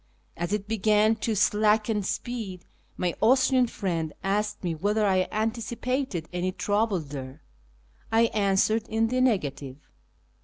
As it began to slacken speed, my Austrian friend aslced me whetlier I antici})ated any trouble there. I answered in the negative.